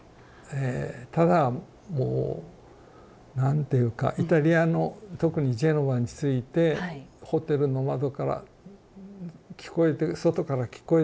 えただもうなんていうかイタリアの特にジェノバに着いてホテルの窓から外から聞こえてくるね